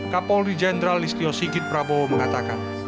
kapolri jenderal listio sigit prabowo mengatakan